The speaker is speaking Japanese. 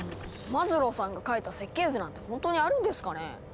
マズローさんが描いた設計図なんてほんとにあるんですかね？